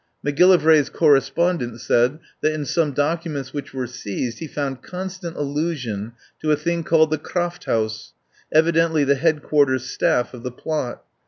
Macgilli vray's correspondent said that in some docu ments which were seized he found constant allusion to a thing called the Krafthaus, evi dently the headquarters staff of the plot.